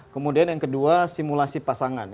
kemudian yang kedua simulasi pasangan